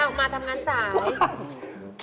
ออกมาทำงานสาว